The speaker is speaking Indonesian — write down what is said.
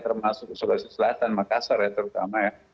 termasuk sulawesi selatan makassar terutama